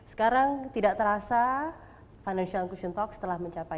sekarang tidak terasa financial inclusion talks telah mencapai arp